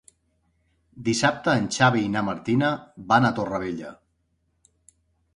Dissabte en Xavi i na Martina van a Torrevella.